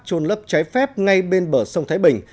trôn lấp trái phép ngay bên bờ sông thái bình